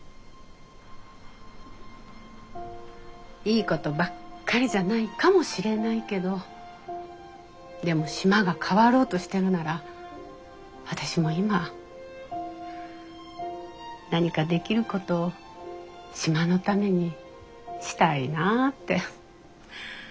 いいことばっかりじゃないかもしれないけどでも島が変わろうとしてるなら私も今何かできることを島のためにしたいなってそう思ったのよ。